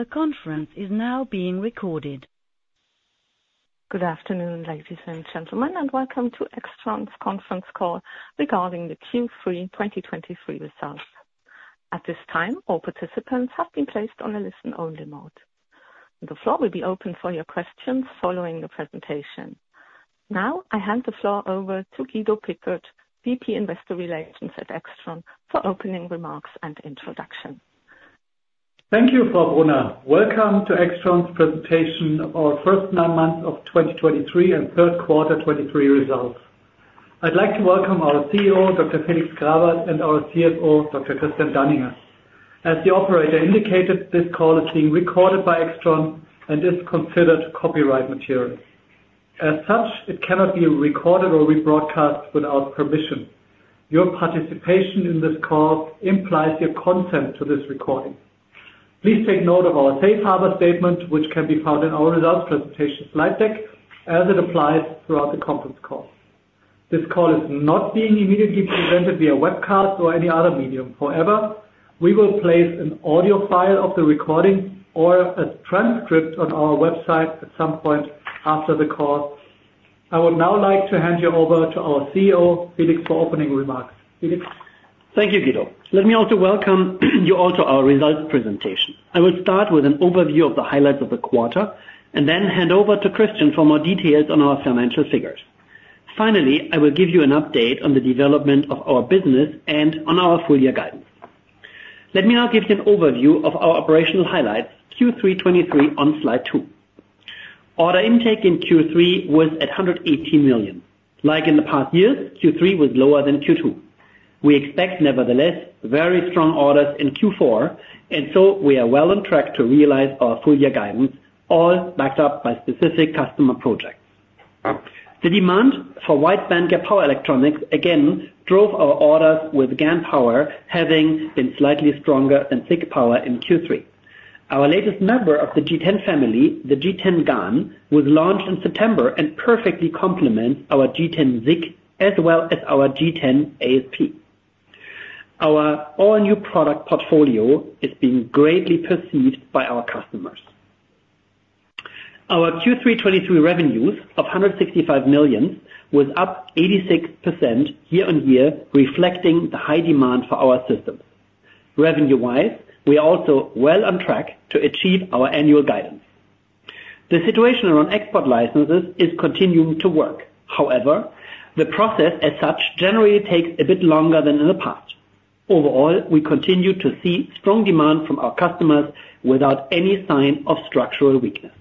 The conference is now being recorded. Good afternoon, ladies and gentlemen, and welcome to AIXTRON's conference call regarding the Q3 2023 results. At this time, all participants have been placed on a listen-only mode. The floor will be open for your questions following the presentation. Now, I hand the floor over to Guido Pickert, VP Investor Relations at AIXTRON, for opening remarks and introduction. Thank you, Frau Brunner. Welcome to AIXTRON's presentation, our first nine months of 2023, and Q3 2023 results. I'd like to welcome our CEO, Dr. Felix Grawert, and our CFO, Dr. Christian Danninger. As the operator indicated, this call is being recorded by AIXTRON and is considered copyright material. As such, it cannot be recorded or rebroadcast without permission. Your participation in this call implies your consent to this recording. Please take note of our safe harbor statement, which can be found in our results presentation slide deck, as it applies throughout the conference call. This call is not being immediately presented via webcast or any other medium. However, we will place an audio file of the recording or a transcript on our website at some point after the call. I would now like to hand you over to our CEO, Felix, for opening remarks. Felix? Thank you, Guido. Let me also welcome you all to our results presentation. I will start with an overview of the highlights of the quarter, and then hand over to Christian for more details on our financial figures. Finally, I will give you an update on the development of our business and on our full year guidance. Let me now give you an overview of our operational highlights, Q3 2023, on slide 2. Order intake in Q3 was at 118 million. Like in the past years, Q3 was lower than Q2. We expect, nevertheless, very strong orders in Q4, and so we are well on track to realize our full year guidance, all backed up by specific customer projects. The demand for wide bandgap power electronics again drove our orders with GaN power, having been slightly stronger than SiC power in Q3. Our latest member of the G10 family, the G10 GaN, was launched in September and perfectly complements our G10 SiC, as well as our G10-AsP. Our all-new product portfolio is being greatly perceived by our customers. Our Q3 2023 revenues of 165 million was up 86% year-on-year, reflecting the high demand for our systems. Revenue-wise, we are also well on track to achieve our annual guidance. The situation around export licenses is continuing to work. However, the process as such generally takes a bit longer than in the past. Overall, we continue to see strong demand from our customers without any sign of structural weakness.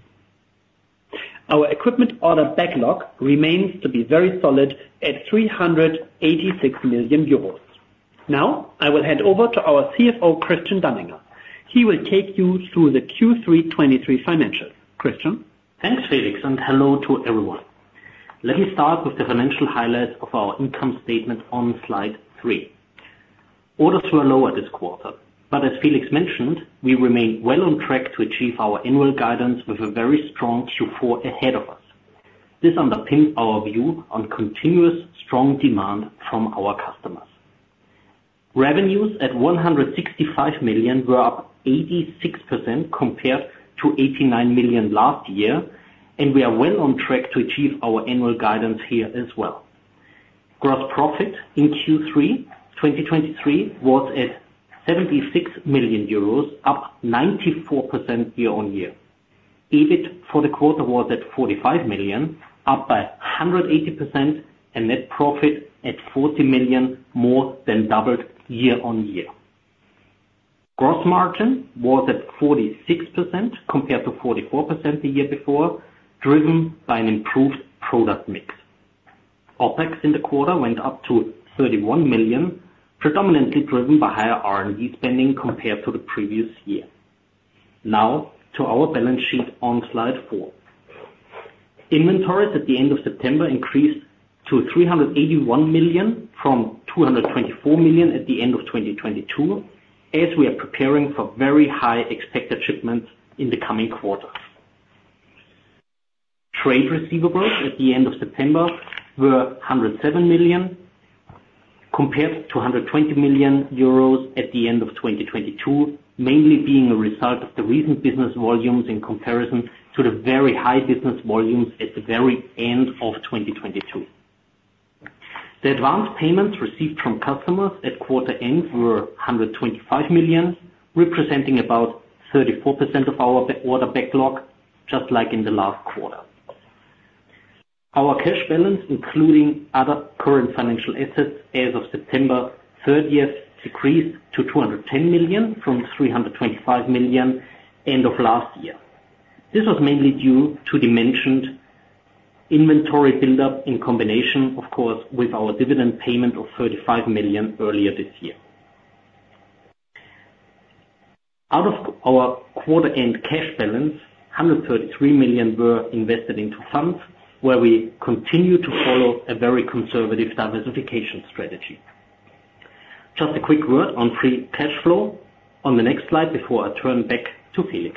Our equipment order backlog remains to be very solid at 386 million euros. Now, I will hand over to our CFO, Christian Danninger. He will take you through the Q3 2023 financials. Christian? Thanks, Felix, and hello to everyone. Let me start with the financial highlights of our income statement on slide 3. Orders were lower this quarter, but as Felix mentioned, we remain well on track to achieve our annual guidance with a very strong Q4 ahead of us. This underpins our view on continuous strong demand from our customers. Revenues at 165 million were up 86% compared to 89 million last year, and we are well on track to achieve our annual guidance here as well. Gross profit in Q3 2023 was at 76 million euros, up 94% year-on-year. EBIT for the quarter was at 45 million, up by 180%, and net profit at 40 million, more than doubled year-on-year. Gross margin was at 46%, compared to 44% the year before, driven by an improved product mix. OpEx in the quarter went up to 31 million, predominantly driven by higher R&D spending compared to the previous year. Now, to our balance sheet on slide four. Inventories at the end of September increased to 381 million, from 224 million at the end of 2022, as we are preparing for very high expected shipments in the coming quarters. Trade receivables at the end of September were 107 million, compared to 120 million euros at the end of 2022, mainly being a result of the recent business volumes in comparison to the very high business volumes at the very end of 2022. The advanced payments received from customers at quarter end were 125 million representing about 34% of our order backlog, just like in the last quarter. Our cash balance, including other current financial assets as of September 30, decreased to 210 million from 325 million end of last year. This was mainly due to the mentioned inventory build-up, in combination, of course, with our dividend payment of 35 million earlier this year. Out of our quarter end cash balance, 133 million were invested into funds, where we continue to follow a very conservative diversification strategy. Just a quick word on free cash flow on the next slide before I turn back to Felix....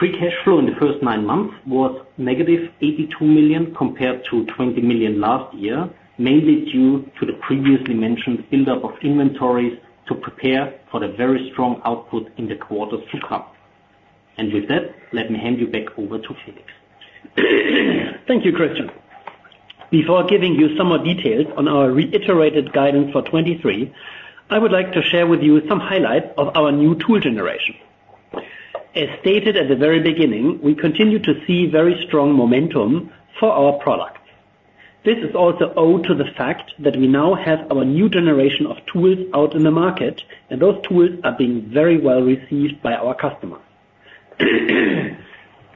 Free cash flow in the first nine months was -82 million, compared to 20 million last year, mainly due to the previously mentioned build-up of inventories to prepare for the very strong output in the quarters to come. And with that, let me hand you back over to Felix. Thank you, Christian. Before giving you some more details on our reiterated guidance for 2023, I would like to share with you some highlights of our new tool generation. As stated at the very beginning, we continue to see very strong momentum for our products. This is also owed to the fact that we now have our new generation of tools out in the market, and those tools are being very well received by our customers.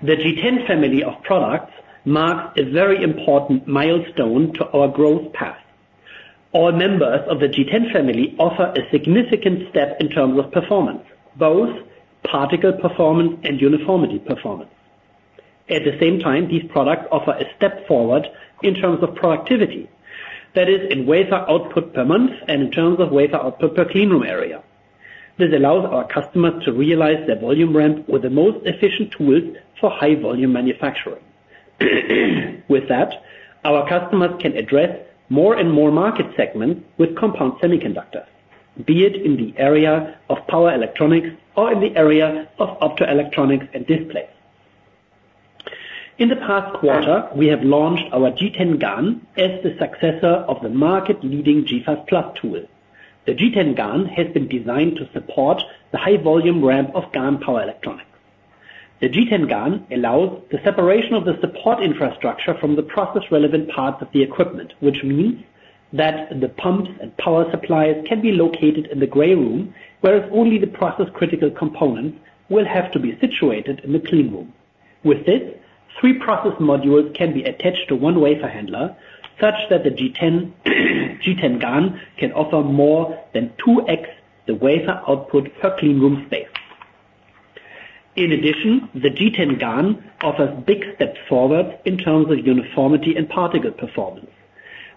The G10 family of products marks a very important milestone to our growth path. All members of the G10 family offer a significant step in terms of performance, both particle performance and uniformity performance. At the same time, these products offer a step forward in terms of productivity, that is, in wafer output per month and in terms of wafer output per cleanroom area. This allows our customers to realize their volume ramp with the most efficient tools for high volume manufacturing. With that, our customers can address more and more market segments with compound semiconductors, be it in the area of power electronics or in the area of optoelectronics and displays. In the past quarter, we have launched our G10 GaN as the successor of the market-leading G5+ tool. The G10 GaN has been designed to support the high volume ramp of GaN power electronics. The G10 GaN allows the separation of the support infrastructure from the process-relevant parts of the equipment, which means that the pumps and power suppliers can be located in the gray room, whereas only the process-critical components will have to be situated in the clean room. With this, three process modules can be attached to one wafer handler, such that the G10, G10 GaN can offer more than 2x the wafer output per clean room space. In addition, the G10 GaN offers big steps forward in terms of uniformity and particle performance.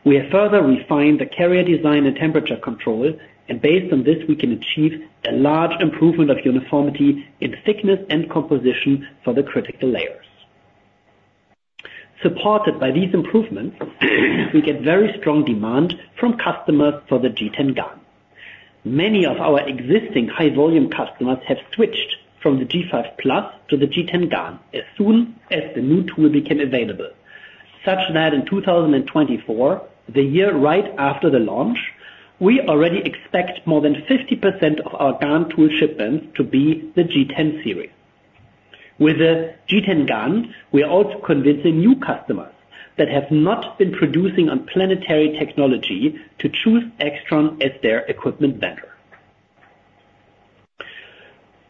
We have further refined the carrier design and temperature control, and based on this, we can achieve a large improvement of uniformity in thickness and composition for the critical layers. Supported by these improvements, we get very strong demand from customers for the G10 GaN. Many of our existing high-volume customers have switched from the G5+ to the G10 GaN as soon as the new tool became available, such that in 2024, the year right after the launch, we already expect more than 50% of our GaN tool shipments to be the G10 series. With the G10 GaN, we are also convincing new customers that have not been producing on Planetary technology to choose AIXTRON as their equipment vendor.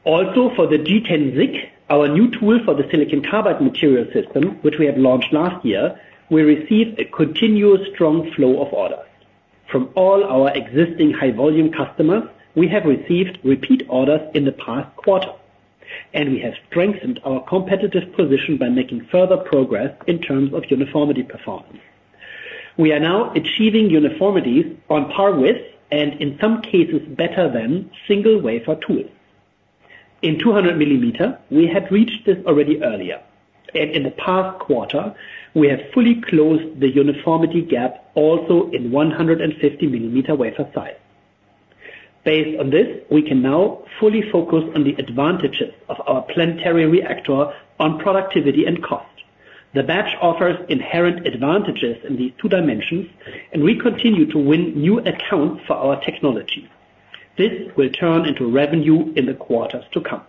Also, for the G10 SiC, our new tool for the silicon carbide material system, which we had launched last year, we received a continuous strong flow of orders. From all our existing high volume customers, we have received repeat orders in the past quarter, and we have strengthened our competitive position by making further progress in terms of uniformity performance. We are now achieving uniformity on par with, and in some cases, better than single wafer tools. In 200 millimeter, we had reached this already earlier, and in the past quarter, we have fully closed the uniformity gap, also in 150 millimeter wafer size. Based on this, we can now fully focus on the advantages of our Planetary Reactor on productivity and cost. The batch offers inherent advantages in these two dimensions, and we continue to win new accounts for our technology. This will turn into revenue in the quarters to come.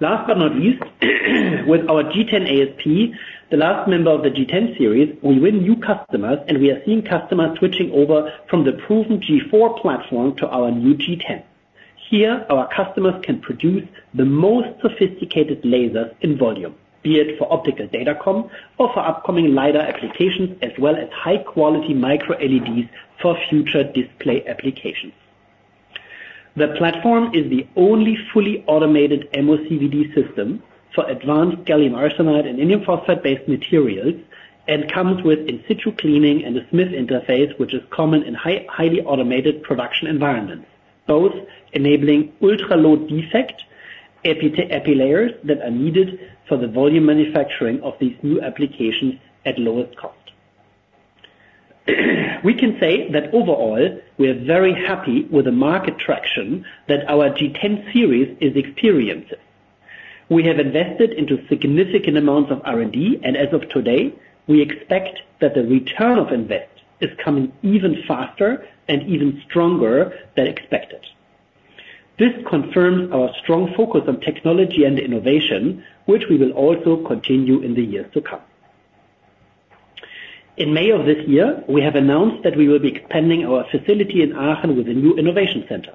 Last but not least, with our G10-AsP, the last member of the G10 series, we win new customers, and we are seeing customers switching over from the proven G4 platform to our new G10. Here, our customers can produce the most sophisticated lasers in volume, be it for optical datacom or for upcoming Li applications, as well as high-quality Micro LEDs for future display applications. The platform is the only fully automated MOCVD system for advanced gallium arsenide and indium phosphide-based materials, and comes with in-situ cleaning and a SMIF interface, which is common in highly automated production environments, both enabling ultra-low defect epi epi layers that are needed for the volume manufacturing of these new applications at lowest cost. We can say that overall, we are very happy with the market traction that our G10 series is experiencing. We have invested into significant amounts of R&D, and as of today, we expect that the return of invest is coming even faster and even stronger than expected. This confirms our strong focus on technology and innovation, which we will also continue in the years to come. In May of this year, we have announced that we will be expanding our facility in Aachen with a new innovation center.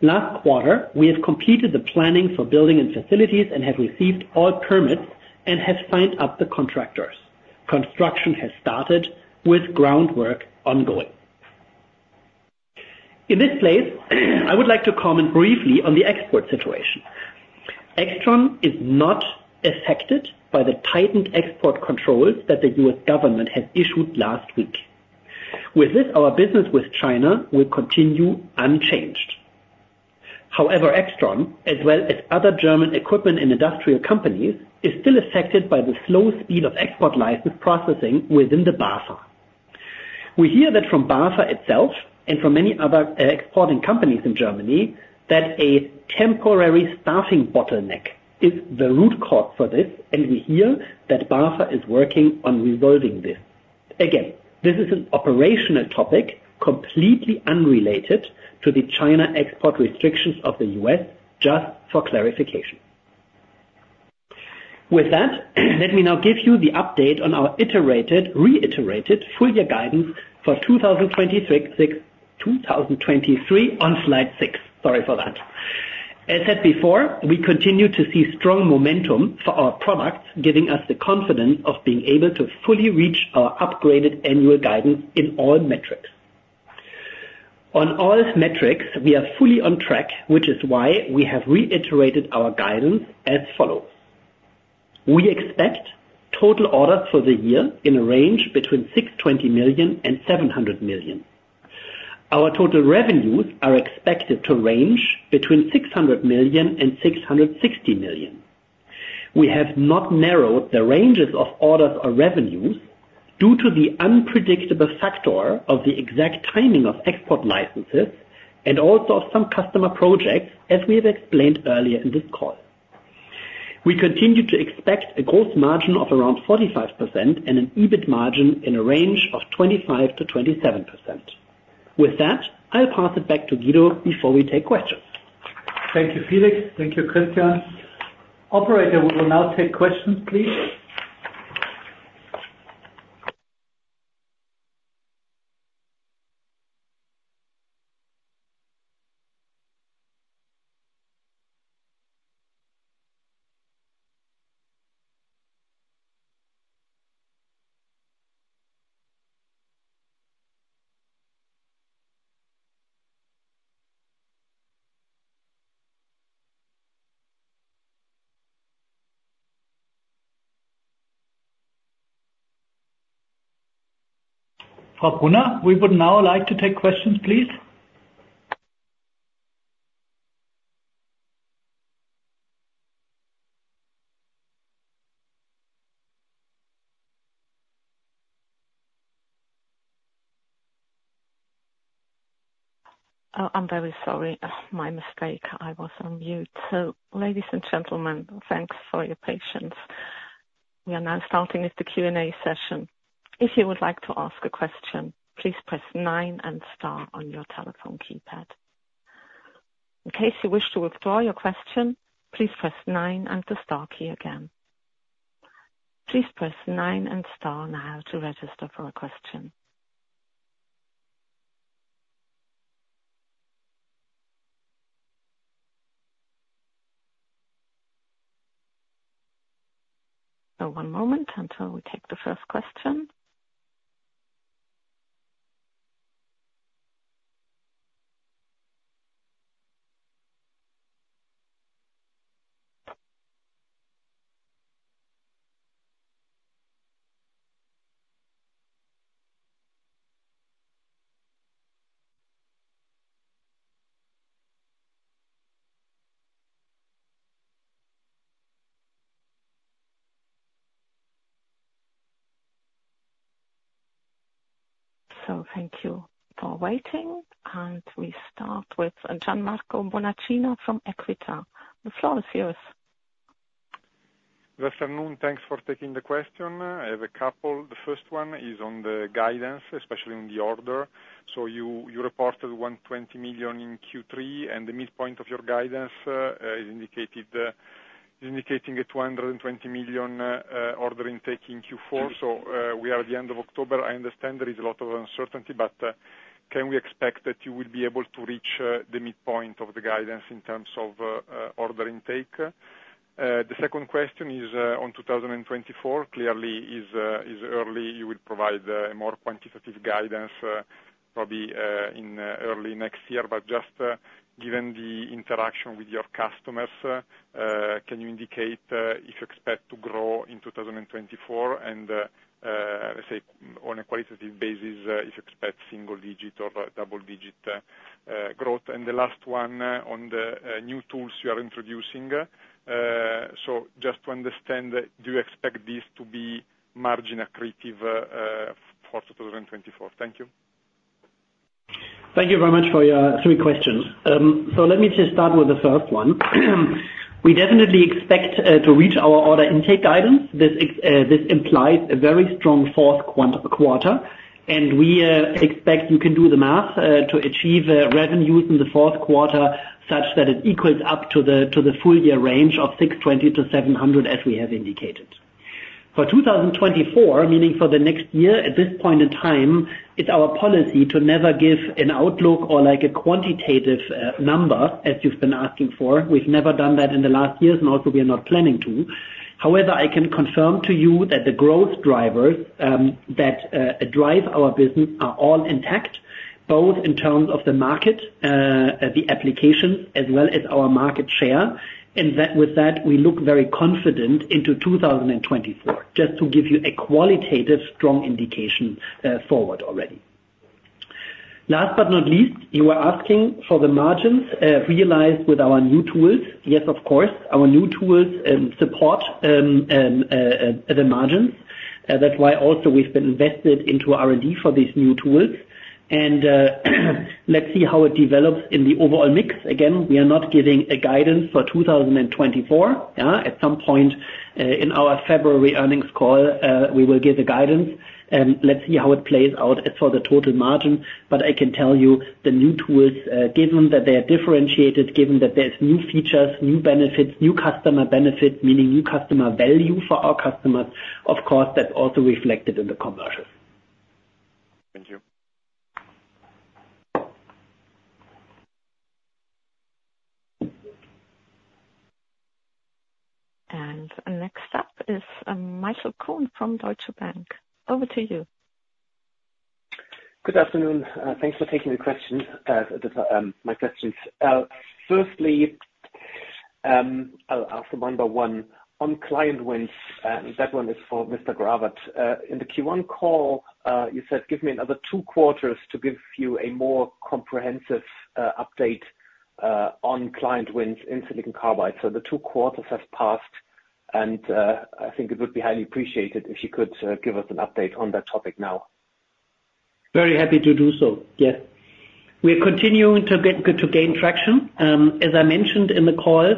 Last quarter, we have completed the planning for building and facilities and have received all permits and have signed up the contractors. Construction has started with groundwork ongoing. In this place, I would like to comment briefly on the export situation. AIXTRON is not affected by the tightened export controls that the U.S. government has issued last week.... With this, our business with China will continue unchanged. However, AIXTRON, as well as other German equipment and industrial companies, is still affected by the slow speed of export license processing within the BAFA. We hear that from BAFA itself, and from many other, exporting companies in Germany, that a temporary staffing bottleneck is the root cause for this, and we hear that BAFA is working on resolving this. Again, this is an operational topic, completely unrelated to the China export restrictions of the U.S., just for clarification. With that, let me now give you the update on our iterated, reiterated full year guidance for 2023 on slide 6. Sorry for that. As said before, we continue to see strong momentum for our products, giving us the confidence of being able to fully reach our upgraded annual guidance in all metrics. On all metrics, we are fully on track, which is why we have reiterated our guidance as follows: We expect total orders for the year in a range between 620 million and 700 million. Our total revenues are expected to range between 600 million and 660 million. We have not narrowed the ranges of orders or revenues due to the unpredictable factor of the exact timing of export licenses, and also of some customer projects, as we have explained earlier in this call. We continue to expect a gross margin of around 45% and an EBIT margin in a range of 25%-27%. With that, I'll pass it back to Guido before we take questions. Thank you, Felix. Thank you, Christian. Operator, we will now take questions, please. Frau Brunner, we would now like to take questions, please. Oh, I'm very sorry. My mistake, I was on mute. So, ladies and gentlemen, thanks for your patience. We are now starting with the Q&A session. If you would like to ask a question, please press nine and star on your telephone keypad. In case you wish to withdraw your question, please press nine and the star key again. Please press nine and star now to register for a question. So one moment until we take the first question. So, thank you for waiting, and we start with Gianmarco Bonacina from Equita. The floor is yours. Good afternoon. Thanks for taking the question. I have a couple. The first one is on the guidance, especially on the order. So you reported 120 million in Q3, and the midpoint of your guidance is indicating a 220 million order intake in Q4. So we are at the end of October. I understand there is a lot of uncertainty, but can we expect that you will be able to reach the midpoint of the guidance in terms of order intake? The second question is on 2024. Clearly, it is early. You will provide a more quantitative guidance probably in early next year. But just, given the interaction with your customers, can you indicate if you expect to grow in 2024? And, let's say on a qualitative basis, if you expect single-digit or double-digit growth. And the last one, on the new tools you are introducing. So just to understand, do you expect this to be margin accretive for 2024? Thank you. Thank you very much for your three questions. Let me just start with the first one. We definitely expect to reach our order intake guidance. This implies a very strong Q4, and we expect, you can do the math, to achieve revenues in the Q4 such that it equals up to the full year range of 620 million-700 million, as we have indicated. For 2024, meaning for the next year, at this point in time, it's our policy to never give an outlook or like a quantitative number, as you've been asking for. We've never done that in the last years, and also we are not planning to. However, I can confirm to you that the growth drivers that drive our business are all intact. Both in terms of the market, the applications, as well as our market share. And that, with that, we look very confident into 2024, just to give you a qualitative, strong indication, forward already. Last but not least, you were asking for the margins realized with our new tools. Yes, of course, our new tools support the margins. That's why also we've been invested into R&D for these new tools. And, let's see how it develops in the overall mix. Again, we are not giving a guidance for 2024, yeah. At some point, in our February earnings call, we will give the guidance, and let's see how it plays out as for the total margin. But I can tell you, the new tools, given that they are differentiated, given that there's new features, new benefits, new customer benefits, meaning new customer value for our customers, of course, that's also reflected in the commercials. Thank you. Next up is Michael Kuhn from Deutsche Bank. Over to you. Good afternoon, thanks for taking the question. My questions. Firstly, I'll ask number one. On client wins, that one is for Mr. Grawert. In the Q1 call, you said, "Give me another two quarters to give you a more comprehensive update on client wins in silicon carbide." So the two quarters have passed, and I think it would be highly appreciated if you could give us an update on that topic now. Very happy to do so. Yes. We're continuing to gain traction. As I mentioned in the call,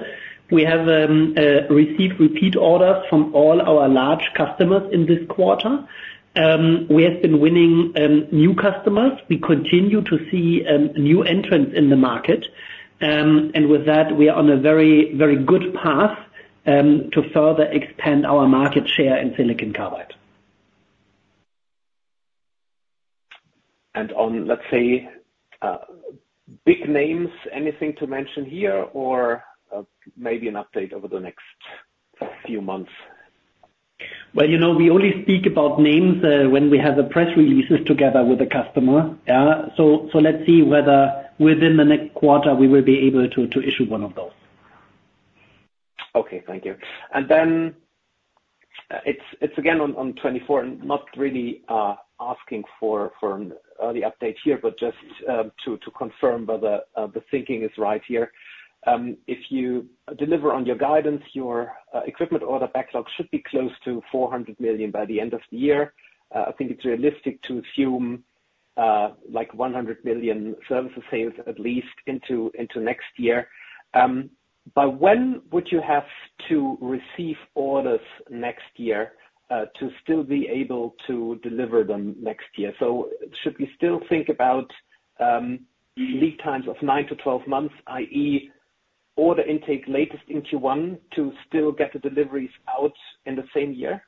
we have received repeat orders from all our large customers in this quarter. We have been winning new customers. We continue to see new entrants in the market. And with that, we are on a very, very good path to further expand our market share in silicon carbide. On, let's say, big names, anything to mention here, or maybe an update over the next few months? Well, you know, we only speak about names when we have the press releases together with the customer, yeah. So, let's see whether within the next quarter, we will be able to issue one of those. Okay, thank you. And then, it's again on 2024, I'm not really asking for an early update here, but just to confirm whether the thinking is right here. If you deliver on your guidance, your equipment order backlog should be close to 400 million by the end of the year. I think it's realistic to assume like 100 million services sales, at least into next year. By when would you have to receive orders next year to still be able to deliver them next year? So should we still think about lead times of 9-12 months, i.e., order intake latest in Q1, to still get the deliveries out in the same year?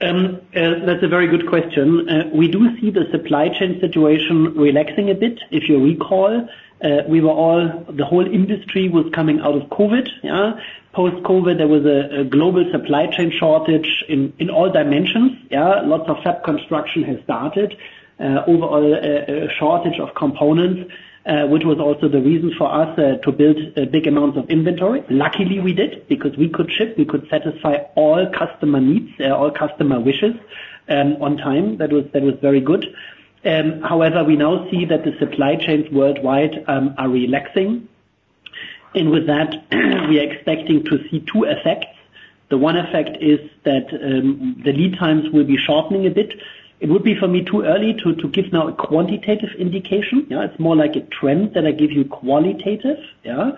That's a very good question. We do see the supply chain situation relaxing a bit. If you recall, the whole industry was coming out of COVID, yeah. Post-COVID, there was a global supply chain shortage in all dimensions, yeah. Lots of fab construction has started. Overall, shortage of components, which was also the reason for us to build big amounts of inventory. Luckily, we did, because we could ship, we could satisfy all customer needs, all customer wishes, on time. That was very good. However, we now see that the supply chains worldwide are relaxing. With that, we are expecting to see two effects. The one effect is that the lead times will be shortening a bit. It would be for me too early to give now a quantitative indication. You know, it's more like a trend that I give you qualitative, yeah.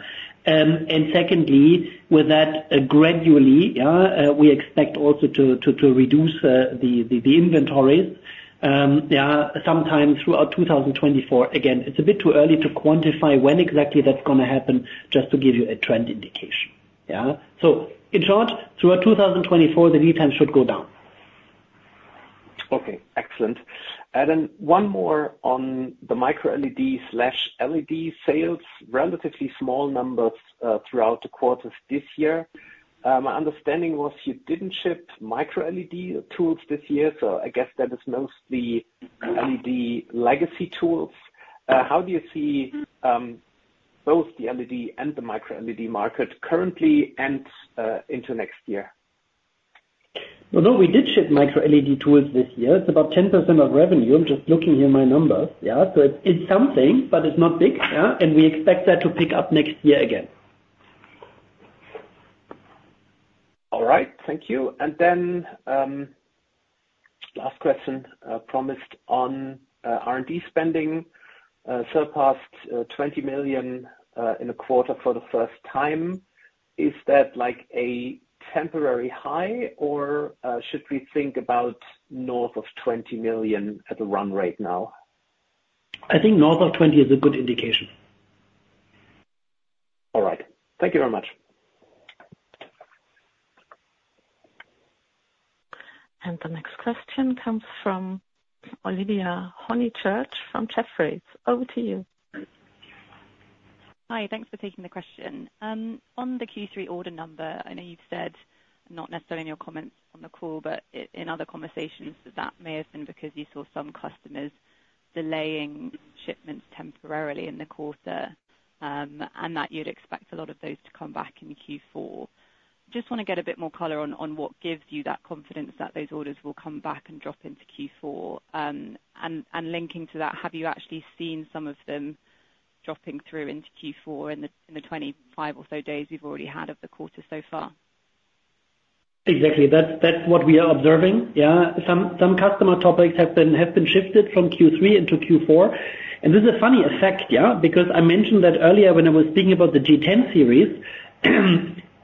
And secondly, with that, gradually, yeah, we expect also to reduce the inventories, yeah, sometime throughout 2024. Again, it's a bit too early to quantify when exactly that's going to happen, just to give you a trend indication, yeah. So in short, throughout 2024, the lead time should go down. Okay, excellent. Then one more on the Micro LED/LED sales. Relatively small numbers throughout the quarters this year. My understanding was you didn't ship Micro LED tools this year, so I guess that is mostly LED legacy tools. How do you see both the LED and the Micro LED market currently and into next year? Well, no, we did ship Micro LED tools this year. It's about 10% of revenue. I'm just looking here my numbers. Yeah, so it's something, but it's not big, yeah, and we expect that to pick up next year again. All right. Thank you. Last question, promised on R&D spending, surpassed 20 million in a quarter for the first time. Is that like a temporary high, or should we think about north of 20 million at the run rate now? I think north of 20 is a good indication. All right. Thank you very much. The next question comes from Olivia Honychurch, from Jefferies. Over to you. Hi, thanks for taking the question. On the Q3 order number, I know you've said, not necessarily in your comments on the call, but in other conversations, that that may have been because you saw some customers delaying shipments temporarily in the quarter, and that you'd expect a lot of those to come back in Q4. Just want to get a bit more color on, on what gives you that confidence that those orders will come back and drop into Q4? And, linking to that, have you actually seen some of them dropping through into Q4 in the 25 or so days you've already had of the quarter so far? Exactly. That's what we are observing, yeah. Some customer topics have been shifted from Q3 into Q4. And this is a funny effect, yeah? Because I mentioned that earlier when I was speaking about the G10 series,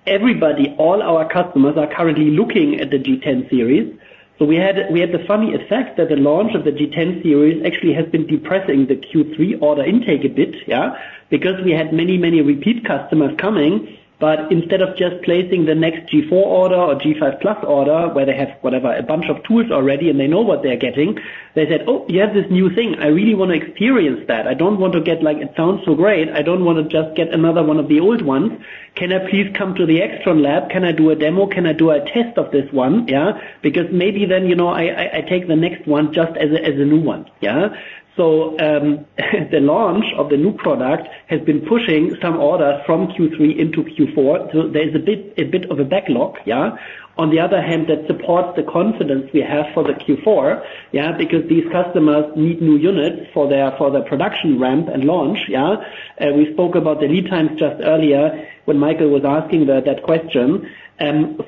everybody, all our customers, are currently looking at the G10 series. So we had the funny effect that the launch of the G10 series actually has been depressing the Q3 order intake a bit, yeah? Because we had many repeat customers coming, but instead of just placing the next G4 order or G5 plus order, where they have, whatever, a bunch of tools already and they know what they're getting, they said, "Oh, you have this new thing. I really want to experience that. I don't want to get like, it sounds so great, I don't want to just get another one of the old ones. Can I please come to the AIXTRON lab? Can I do a demo? Can I do a test of this one, yeah? Because maybe then, you know, I take the next one just as a new one, yeah? So, the launch of the new product has been pushing some orders from Q3 into Q4. So there's a bit of a backlog, yeah? On the other hand, that supports the confidence we have for the Q4, yeah, because these customers need new units for their production ramp and launch, yeah? And we spoke about the lead times just earlier when Michael was asking that question.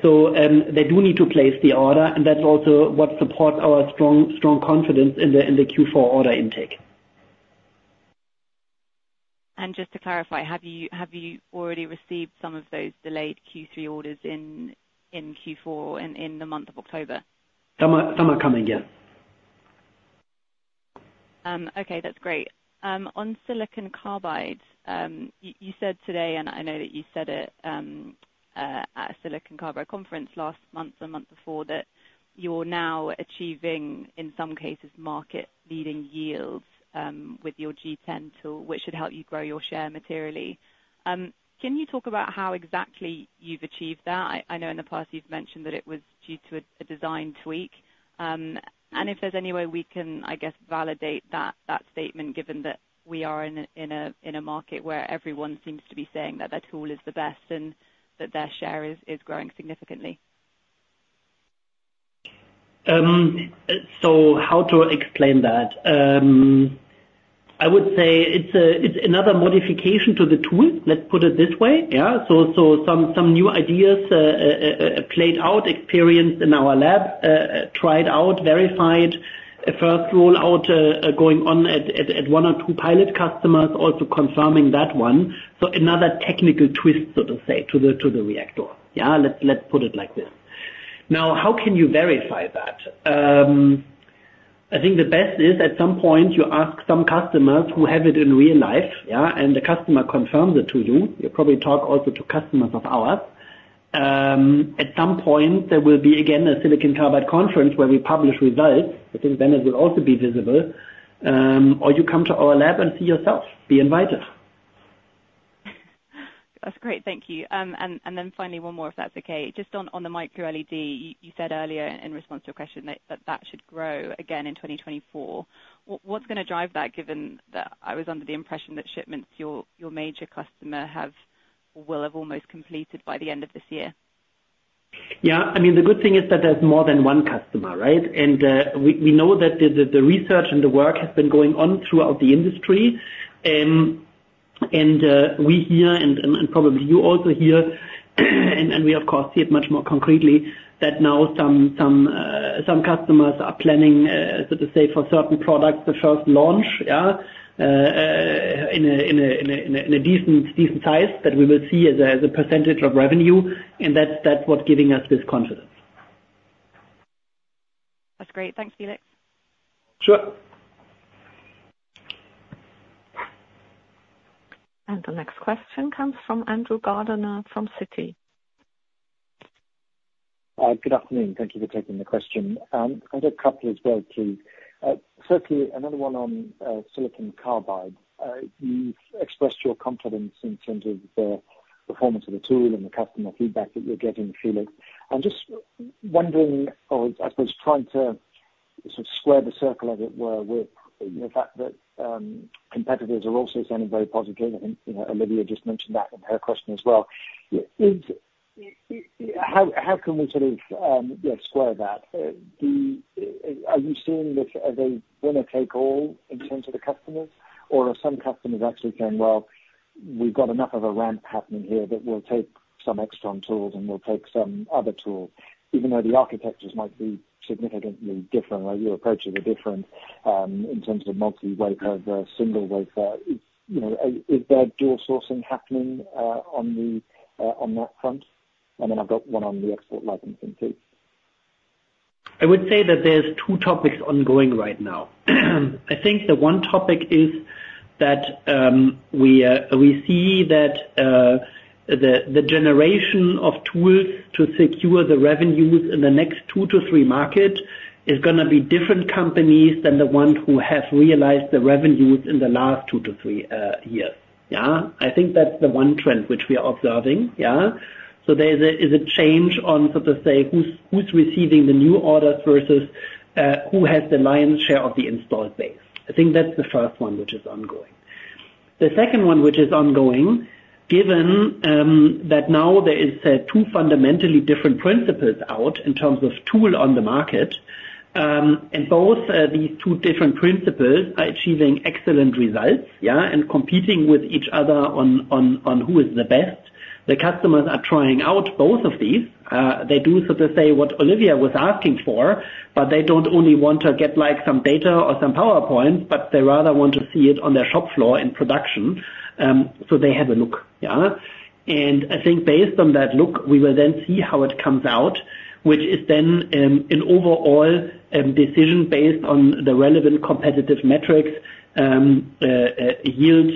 So, they do need to place the order, and that's also what supports our strong confidence in the Q4 order intake. Just to clarify, have you already received some of those delayed Q3 orders in Q4 and in the month of October? Some are, some are coming, yeah. Okay, that's great. On silicon carbide, you said today, and I know that you said it at a silicon carbide conference last month or month before, that you're now achieving, in some cases, market-leading yields with your G10 tool, which should help you grow your share materially. Can you talk about how exactly you've achieved that? I know in the past you've mentioned that it was due to a design tweak. And if there's any way we can, I guess, validate that statement, given that we are in a market where everyone seems to be saying that their tool is the best and that their share is growing significantly. How to explain that? I would say it's another modification to the tool, let's put it this way, yeah? Some new ideas played out, experienced in our lab, tried out, verified. First roll out going on at one or two pilot customers, also confirming that one. Another technical twist, so to say, to the reactor, yeah? Let's put it like this. Now, how can you verify that? I think the best is, at some point, you ask some customers who have it in real life, yeah, and the customer confirms it to you. You probably talk also to customers of ours. At some point, there will be, again, a silicon carbide conference where we publish results. I think then it will also be visible, or you come to our lab and see yourself. Be invited. That's great, thank you. And then finally, one more, if that's okay. Just on the Micro LED, you said earlier in response to a question that that should grow again in 2024. What's going to drive that, given that I was under the impression that shipments to your major customer will have almost completed by the end of this year? Yeah, I mean, the good thing is that there's more than one customer, right? And we know that the research and the work has been going on throughout the industry. And we hear, and probably you also hear, and we, of course, see it much more concretely, that now some customers are planning, so to say, for certain products, the first launch, yeah, in a decent size that we will see as a percentage of revenue, and that's what's giving us this confidence. That's great. Thanks, Felix. Sure. The next question comes from Andrew Gardiner, from Citi. Good afternoon. Thank you for taking the question. I've got a couple as well, too. Firstly, another one on silicon carbide. You've expressed your confidence in terms of the performance of the tool and the customer feedback that you're getting, Felix. I'm just wondering or I suppose trying to sort of square the circle, as it were, with the fact that competitors are also sounding very positive. I think, you know, Olivia just mentioned that in her question as well. How can we sort of square that? Are you seeing this as a winner-take-all in terms of the customers, or are some customers actually saying, "Well, we've got enough of a ramp happening here that we'll take some extra on tools, and we'll take some other tools," even though the architectures might be significantly different, or your approaches are different, in terms of multi-wafer versus single wafer? You know, is there dual sourcing happening, on the, on that front? And then I've got one on the export licensing too. I would say that there's two topics ongoing right now. I think the one topic is that, we see that, the generation of tools to secure the revenues in the next 2-3 market, is going to be different companies than the ones who have realized the revenues in the last 2-3 years. Yeah? I think that's the one trend which we are observing, yeah. So there's a, is a change on, so to say, who's, who's receiving the new orders versus, who has the lion's share of the installed base. I think that's the first one, which is ongoing. The second one, which is ongoing, given that now there is two fundamentally different principles out, in terms of tool on the market, and both these two different principles are achieving excellent results, yeah, and competing with each other on who is the best. The customers are trying out both of these. They do, so to say, what Olivia was asking for, but they don't only want to get, like, some data or some PowerPoints, but they rather want to see it on their shop floor in production. So they have a look, yeah? And I think based on that look, we will then see how it comes out, which is then an overall decision based on the relevant competitive metrics, yield,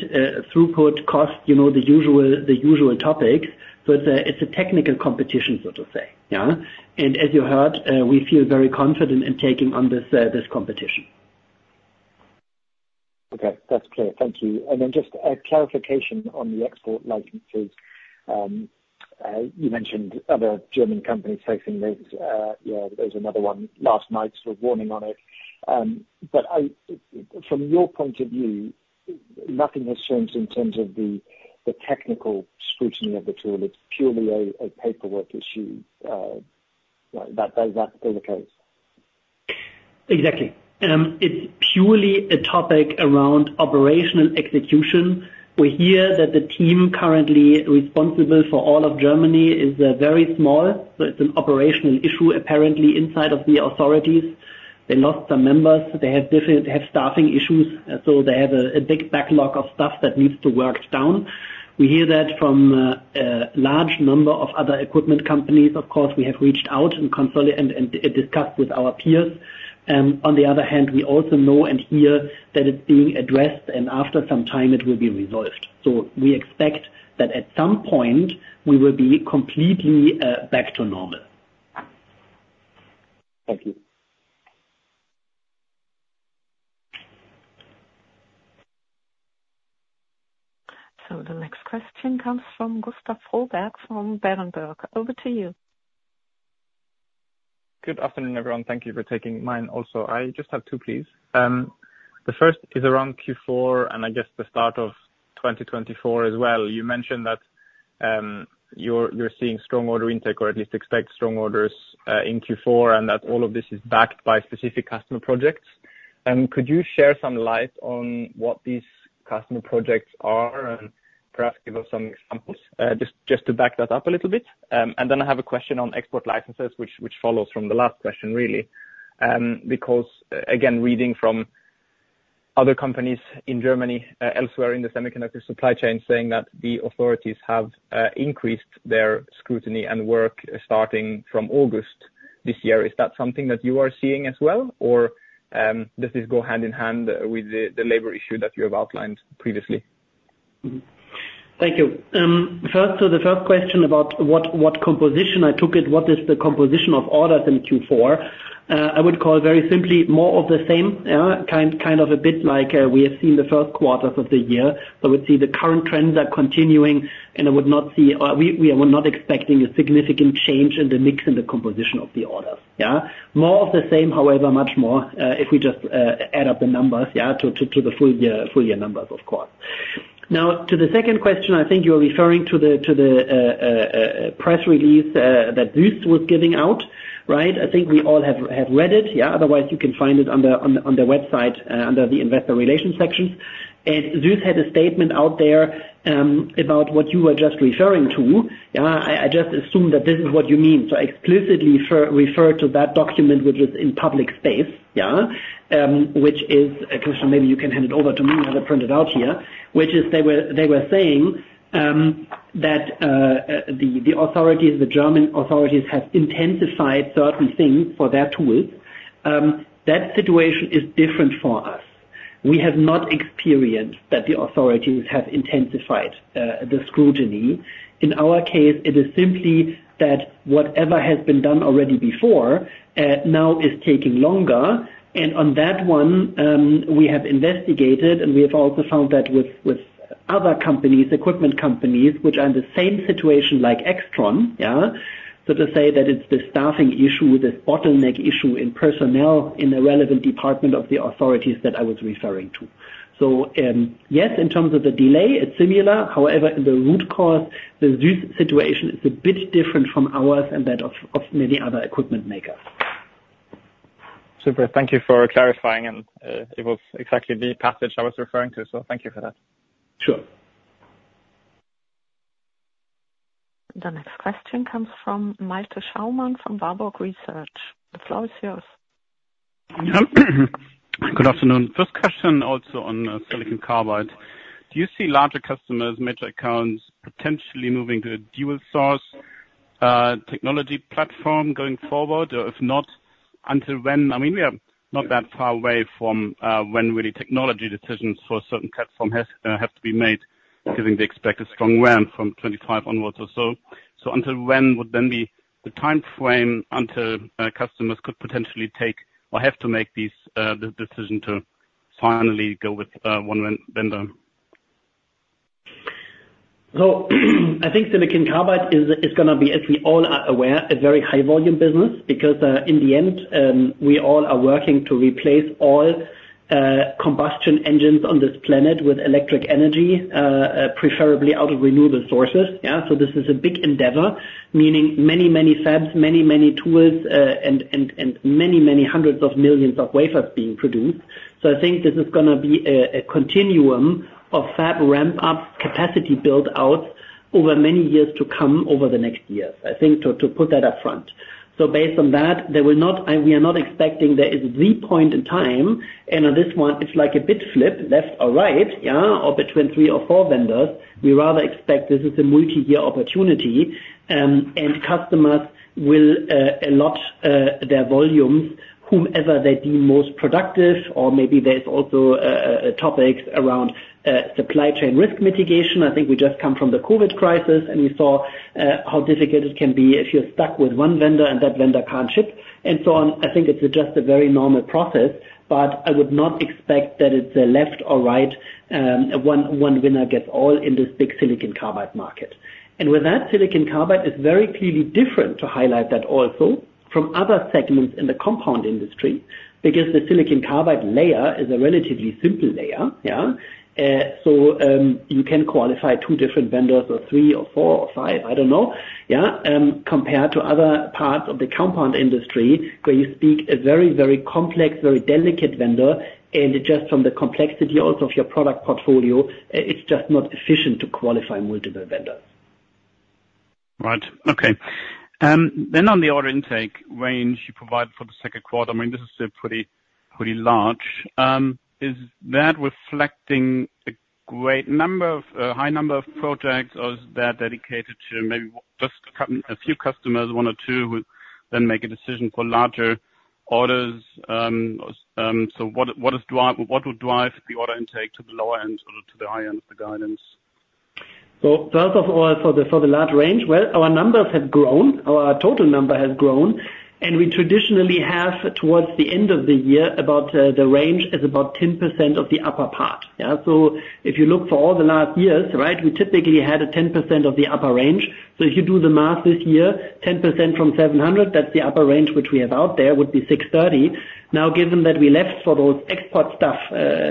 throughput, cost, you know, the usual, the usual topics. It's a technical competition, so to say, yeah? As you heard, we feel very confident in taking on this competition. Okay, that's clear. Thank you. And then just a clarification on the export licenses. You mentioned other German companies facing this, yeah, there's another one last night, sort of warning on it. But from your point of view, nothing has changed in terms of the technical scrutiny of the tool. It's purely a paperwork issue, that is the case? Exactly. It's purely a topic around operational execution. We hear that the team currently responsible for all of Germany is very small, so it's an operational issue, apparently inside of the authorities. They lost some members, they have staffing issues, so they have a big backlog of stuff that needs to work down. We hear that from a large number of other equipment companies. Of course, we have reached out and consult and discussed with our peers. On the other hand, we also know and hear that it's being addressed, and after some time it will be resolved. So we expect that at some point, we will be completely back to normal. Thank you. The next question comes from Gustav Froberg, from Berenberg. Over to you. Good afternoon, everyone. Thank you for taking mine also. I just have two, please. The first is around Q4, and I guess the start of 2024 as well. You mentioned that, you're seeing strong order intake, or at least expect strong orders, in Q4, and that all of this is backed by specific customer projects. Could you share some light on what these customer projects are, and perhaps give us some examples? Just to back that up a little bit. And then I have a question on export licenses, which follows from the last question, really. Because again, reading from other companies in Germany, elsewhere in the semiconductor supply chain, saying that the authorities have increased their scrutiny and work starting from August this year. Is that something that you are seeing as well? Does this go hand in hand with the, the labor issue that you have outlined previously? Mm-hmm. Thank you. First, the first question about what composition, I took it, what is the composition of orders in Q4? I would call it very simply more of the same, kind of a bit like we have seen the Q1s of the year. I would say the current trends are continuing, and I would not see, we are not expecting a significant change in the mix and the composition of the orders, yeah? More of the same, however, much more, if we just add up the numbers, yeah, to the full year, full year numbers, of course. Now, to the second question, I think you are referring to the press release that ZEISS was giving out, right? I think we all have read it, yeah, otherwise you can find it on the website under the investor relations section. And ZEISS had a statement out there about what you were just referring to. Yeah, I just assume that this is what you mean. So I explicitly refer to that document, which is in public space, yeah? Which is a question, maybe you can hand it over to me, I have it printed out here. They were saying that the authorities, the German authorities, have intensified certain things for their tools. That situation is different for us. We have not experienced that the authorities have intensified the scrutiny. In our case, it is simply that whatever has been done already before now is taking longer, and on that one, we have investigated, and we have also found that with other companies, equipment companies, which are in the same situation like AIXTRON. So, to say that it's the staffing issue, this bottleneck issue in personnel in the relevant department of the authorities that I was referring to. So, yes, in terms of the delay, it's similar, however, in the root cause, the ZEISS situation is a bit different from ours and that of many other equipment makers. Super. Thank you for clarifying, and it was exactly the passage I was referring to, so thank you for that. Sure. The next question comes from Malte Schaumann, from Warburg Research. The floor is yours. Good afternoon. First question also on silicon carbide. Do you see larger customers, major accounts, potentially moving to a dual source? Technology platform going forward? Or if not, until when? I mean, we are not that far away from when really technology decisions for a certain platform has have to be made, given the expected strong ramp from 2025 onwards or so. So until when would then be the timeframe until customers could potentially take or have to make these the decision to finally go with one vendor? So, I think silicon carbide is going to be, as we all are aware, a very high-volume business, because in the end, we all are working to replace all combustion engines on this planet with electric energy, preferably out of renewable sources. Yeah, so this is a big endeavor, meaning many, many fabs, many, many tools, and many, many hundreds of millions of wafers being produced. So, I think this is going to be a continuum of fab ramp up capacity build out over many years to come, over the next years. I think to put that up front. So based on that, there will not and we are not expecting there is the point in time, and on this one, it's like a bit flip, left or right, yeah, or between three or four vendors. We rather expect this is a multi-year opportunity, and customers will allot their volumes, whomever they deem most productive, or maybe there's also topics around supply chain risk mitigation. I think we just come from the COVID crisis, and we saw how difficult it can be if you're stuck with one vendor and that vendor can't ship, and so on. I think it's just a very normal process, but I would not expect that it's a left or right one winner gets all in this big silicon carbide market. And with that, silicon carbide is very clearly different, to highlight that also, from other segments in the compound industry, because the silicon carbide layer is a relatively simple layer, yeah? So you can qualify two different vendors, or three, or four, or five, I don't know, yeah. Compared to other parts of the compound industry, where you speak a very, very complex, very delicate vendor, and just from the complexity also of your product portfolio, it's just not efficient to qualify multiple vendors. Right. Okay. Then on the order intake range you provided for the Q2, I mean, this is still pretty, pretty large. Is that reflecting a great number of, a high number of projects, or is that dedicated to maybe just a few customers, one or two, who then make a decision for larger orders? So what would drive the order intake to the lower end or to the higher end of the guidance? First of all, for the large range, well, our numbers have grown, our total number has grown, and we traditionally have, towards the end of the year, about, the range is about 10% of the upper part. Yeah, if you look for all the last years, right, we typically had a 10% of the upper range. If you do the math this year, 10% from 700, that's the upper range which we have out there, would be 630. Now, given that we left for those export stuff,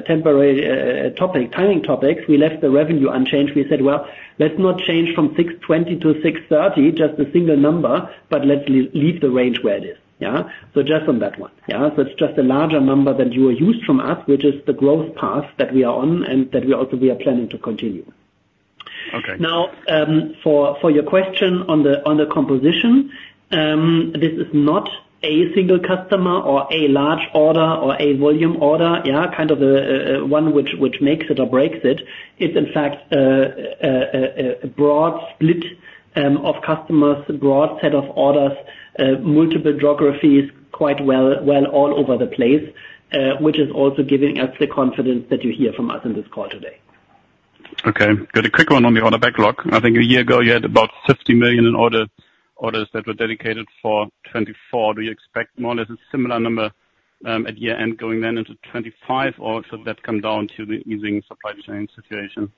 temporary, topic, timing topics, we left the revenue unchanged. We said, "Well, let's not change from 620 to 630, just a single number, but let's leave the range where it is." Yeah? Just on that one, yeah. So it's just a larger number than you are used from us, which is the growth path that we are on, and that we also are planning to continue. Okay. Now, for your question on the composition, this is not a single customer or a large order or a volume order, yeah, kind of the one which makes it or breaks it. It's in fact a broad split of customers, a broad set of orders, multiple geographies, quite well all over the place, which is also giving us the confidence that you hear from us in this call today. Okay. Got a quick one on the order backlog. I think a year ago, you had about 50 million in orders that were dedicated for 2024. Do you expect more or less a similar number at year-end going then into 2025, or should that come down to the easing supply chain situation?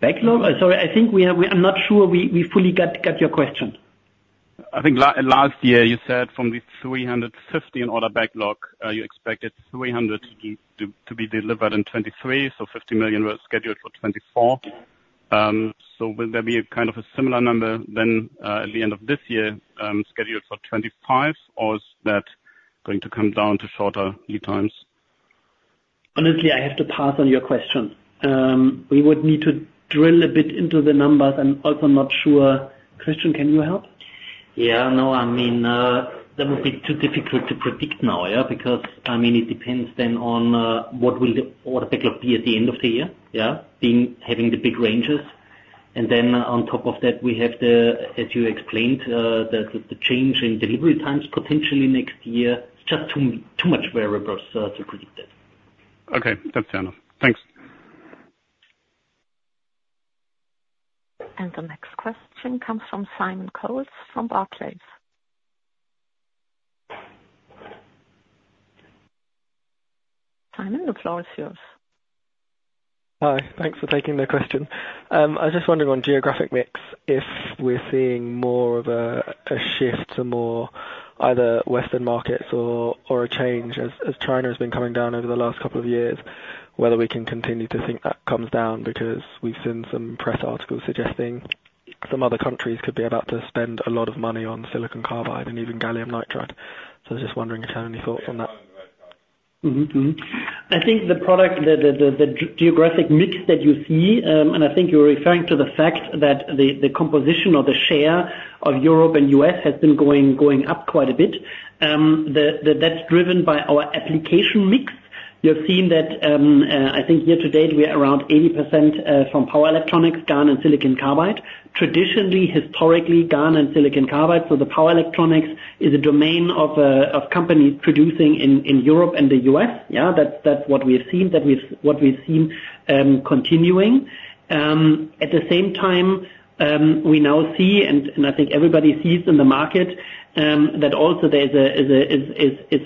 Backlog? Sorry, I think we have. I'm not sure we fully got your question. I think last year, you said from the 350 in order backlog, you expected 300 to be delivered in 2023, so 50 million were scheduled for 2024. So, will there be a kind of a similar number then, at the end of this year, scheduled for 2025, or is that going to come down to shorter lead times? Honestly, I have to pass on your question. We would need to drill a bit into the numbers. I'm also not sure. Christian, can you help? Yeah, no, I mean, that would be too difficult to predict now, yeah? Because, I mean, it depends then on what will the order backlog be at the end of the year, yeah, having the big ranges. And then on top of that, we have the, as you explained, the change in delivery times potentially next year. It's just too much variables to predict it. Okay, that's fair enough. Thanks. The next question comes from Simon Coles, from Barclays. Simon, the floor is yours. Hi. Thanks for taking the question. I was just wondering on geographic mix, if we're seeing more of a shift to more either Western markets or a change as China has been coming down over the last couple of years, whether we can continue to think that comes down, because we've seen some press articles suggesting some other countries could be about to spend a lot of money on silicon carbide and even gallium nitride. I was just wondering if you have any thoughts on that. Mm-hmm. Mm-hmm. I think the product, the geographic mix that you see, and I think you're referring to the fact that the composition or the share of Europe and U.S. has been going up quite a bit. That's driven by our application mix. You have seen that. I think year to date, we are around 80% from power electronics, GaN and silicon carbide. Traditionally, historically, GaN and silicon carbide, so the power electronics, is a domain of companies producing in Europe and the U.S., yeah? That's what we've seen continuing. At the same time, we now see, and I think everybody sees in the market, that also there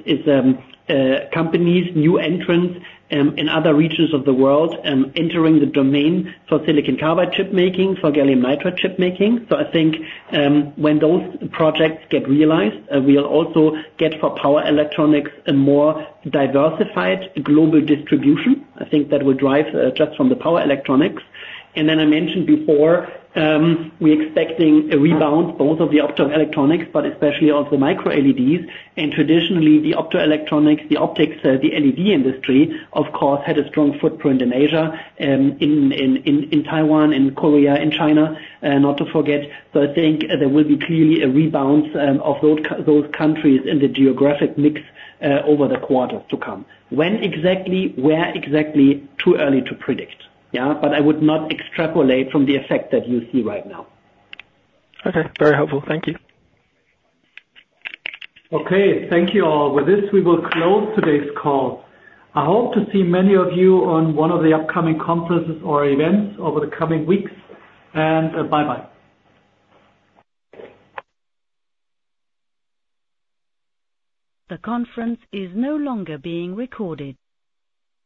is companies, new entrants, in other regions of the world, entering the domain for silicon carbide chip making, for gallium nitride chip making. I think when those projects get realized, we'll also get for power electronics a more diversified global distribution. I think that will drive, just from the power electronics. I mentioned before, we're expecting a rebound, both of the optoelectronics, but especially also micro-LEDs. Traditionally, the optoelectronics, the optics, the LED industry, of course, had a strong footprint in Asia, in Taiwan and Korea and China, not to forget. So, I think there will be clearly a rebound of those countries in the geographic mix over the quarters to come. When exactly? Where exactly? Too early to predict, yeah, but I would not extrapolate from the effect that you see right now. Okay. Very helpful. Thank you. Okay. Thank you, all. With this, we will close today's call. I hope to see many of you on one of the upcoming conferences or events over the coming weeks, and, bye-bye. The conference is no longer being recorded.